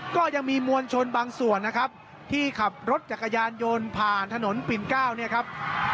ก็ยังมีมวลชนบางส่วนนะครับที่ขับรถจักรยานยนต์ผ่านถนนปิ่นเก้าเนี่ยครับ